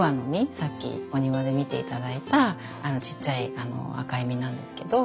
さっきお庭で見て頂いたちっちゃい赤い実なんですけど。